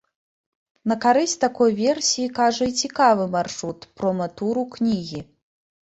На карысць такой версіі кажа і цікавы маршрут прома-туру кнігі.